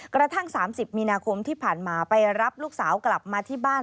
กระทั่ง๓๐มีนาคมที่ผ่านมาไปรับลูกสาวกลับมาที่บ้าน